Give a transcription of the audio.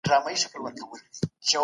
سترګو ته نه رسيږي.